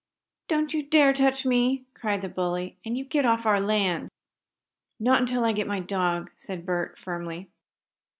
"Don't you dare touch me!" cried the bully. "And you get off our land!" "Not until I get my dog," said Bert, firmly.